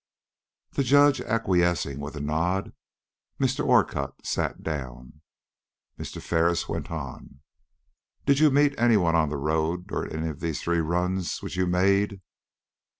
The Judge acquiescing with a nod, Mr. Orcutt sat down. Mr. Ferris went on. "Did you meet any one on the road during any of these three runs which you made?"